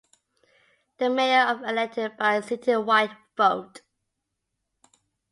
The mayor is elected by citywide vote.